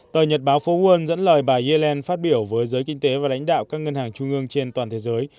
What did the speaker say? tờ nhật báo phố won dẫn lời bà yellen phát biểu với giới kinh tế và lãnh đạo các ngân hàng trung ương trên toàn thế giới